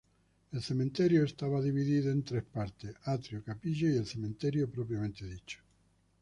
El Cementerio estaba dividido en tres partes: atrio, capilla y el cementerio propiamente dicho.